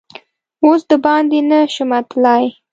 اوس دباندې نه شمه تللا ی